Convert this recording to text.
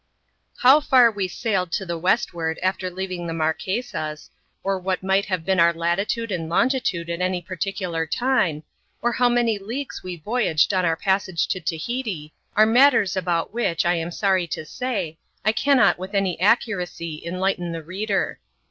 How far we sailed to tlie westward afker leaving the Mar quesas, or what might have been our latitude and longitude at any particular time, or how many leagues we voyaged on our passage to Tahiti, are matters about which, I am sorry to say, I cannot with any accuracy enlighten the reader.